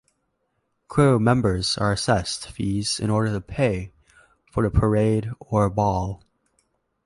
Krewe members are assessed fees in order to pay for the parade or ball.